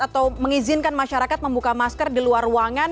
atau mengizinkan masyarakat membuka masker di luar ruangan